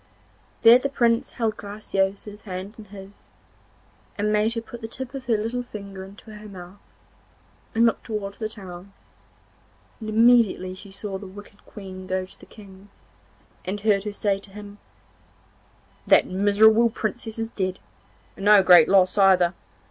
There the Prince held Graciosa's hand in his, and made her put the tip of her little finger into her mouth, and look towards the town, and immediately she saw the wicked Queen go to the King, and heard her say to him, 'That miserable Princess is dead, and no great loss either.